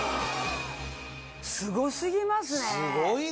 スゴすぎますね！